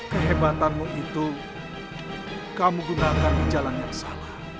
kehebatanmu itu kamu gunakan di jalan yang salah